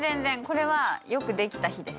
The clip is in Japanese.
これはよくできた日です。